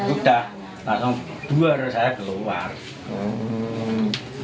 sudah langsung dua orang saya keluar